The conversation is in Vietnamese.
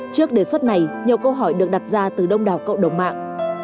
trước đề xuất này nhiều câu hỏi được đặt ra từ đông đảo cộng đồng mạng